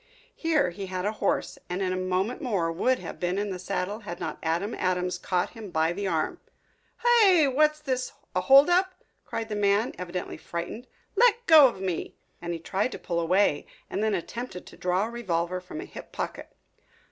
Here he had a horse, and in a moment more would have been in the saddle had not Adam Adams caught him by the arm. "Hi! what's this, a hold up?" cried the man, evidently frightened. "Let go of me!" And he tried to pull away and then attempted to draw a revolver from a hip pocket.